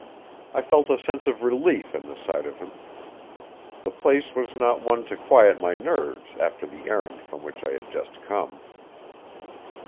I felt a sense of relief in the sight of him. The place was not one to quiet my nerves after the errand from which I had just come.